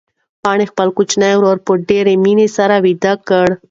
پاڼې خپل کوچنی ورور په ډېرې مینې سره ویده کړ.